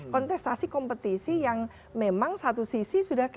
kontestasi kompetisi yang memang satu sisi sudah